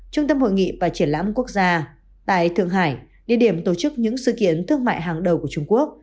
trung tâm hội nghị và triển lãm quốc gia tại thượng hải địa điểm tổ chức những sự kiện thương mại hàng đầu của trung quốc